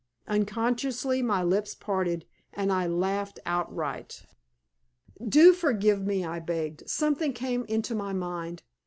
Unconsciously my lips parted, and I laughed outright. "Do forgive me," I begged. "Something came into my mind.